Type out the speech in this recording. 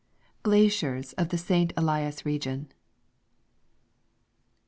GLACIERS OF THE ST. ELIAS REGION.